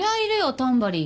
タンバリン